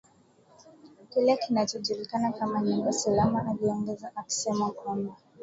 kile kinachojulikana kama nyumba salama aliongeza akisema kwamba